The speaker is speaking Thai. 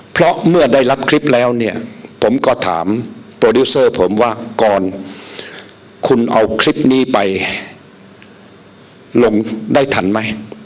เพราะเมื่อได้รับคลิปแล้วเนี่ยผมก็ถามโปรดิวเซอร์ผมว่าก่อนคุณเอาคลิปนี้ไปลงได้ทันไหม